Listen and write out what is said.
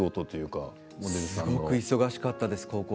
高校時代すごく忙しかったです